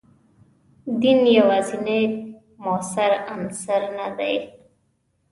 دین یوازینی موثر عنصر نه دی.